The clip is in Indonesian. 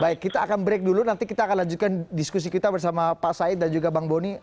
baik kita akan break dulu nanti kita akan lanjutkan diskusi kita bersama pak said dan juga bang boni